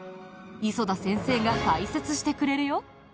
磯田先生が解説してくれるよ。